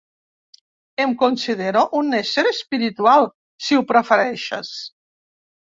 Em considero un ésser espiritual, si ho prefereixes.